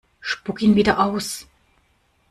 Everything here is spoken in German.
Spuck ihn wieder aus!